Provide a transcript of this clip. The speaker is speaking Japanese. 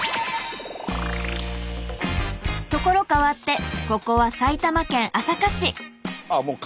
ところ変わってここは埼玉県朝霞市。